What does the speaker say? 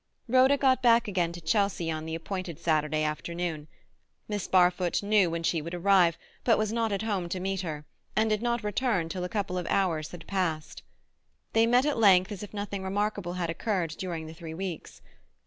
Rhoda got back again to Chelsea on the appointed Saturday afternoon. Miss Barfoot knew when she would arrive, but was not at home to meet her, and did not return till a couple of hours had passed. They met at length as if nothing remarkable had occurred during the three weeks.